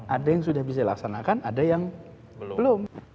ada yang sudah bisa laksanakan ada yang belum